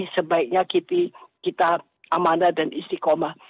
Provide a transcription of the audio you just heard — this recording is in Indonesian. sebaiknya kita amanah dan istiqomah